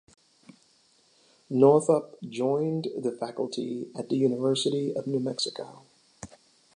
Northup joined the faculty at the University of New Mexico.